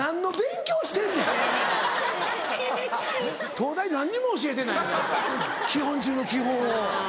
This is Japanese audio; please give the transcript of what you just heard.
東大何にも教えてないやないか基本中の基本を。